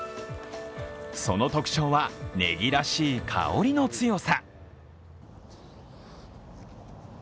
その特徴はねぎらしい香りの強さ。